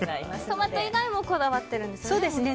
トマト以外もこだわってるんですね。